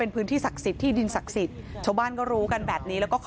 ภัยกลับ